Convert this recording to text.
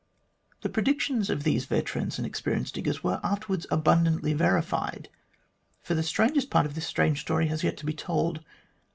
The predictions of these veteran and experienced diggers were afterwards abundantly verified, for the strangest part of this strange story has yet to be told.